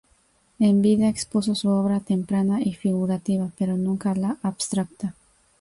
En vida, expuso su obra temprana y figurativa, pero nunca la abstracta.